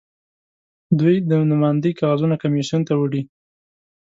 دوی د نوماندۍ کاغذونه کمېسیون ته وړي.